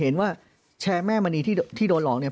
เพราะอาชญากรเขาต้องปล่อยเงิน